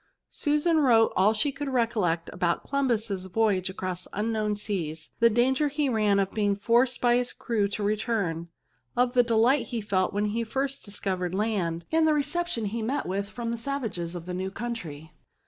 Susan wrote all she could recollect of Co lumbus's voyage across unknown seas; the danger he ran of being forced by his crew to return ; of the delight he felt when he first discovered land, and the reception he met with from the savages of the new country.